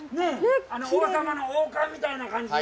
王様の王冠みたいな感じで。